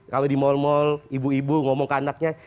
kalau di mal mal ibu ibu ngomong ke anaknya